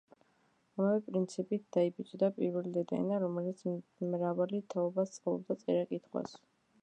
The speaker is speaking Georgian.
ამავე პრინციპით დაიბეჭდა პირველი „დედა ენა“, რომლითაც მრავალი თაობა სწავლობდა წერა-კითხვას.